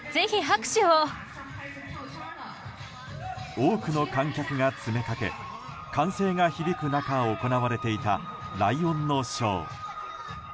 多くの観客が詰めかけ歓声が響く中行われていたライオンのショー。